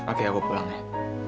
oke aku pulang ya